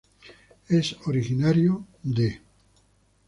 Es originario de